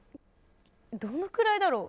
どのくらいだろう。